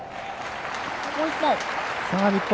もう１本。